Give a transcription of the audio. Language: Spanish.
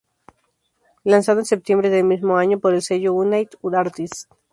Lanzado en septiembre del mismo año por el sello United Artists.